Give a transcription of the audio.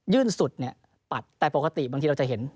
ื่นสุดเนี่ยปัดแต่ปกติบางทีเราจะเห็น